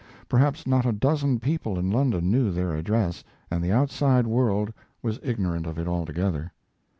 Perhaps not a dozen people in London knew their address and the outside world was ignorant of it altogether.